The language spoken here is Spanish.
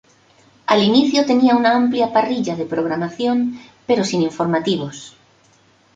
Al inicio tenía una amplia parrilla de programación, pero sin informativos.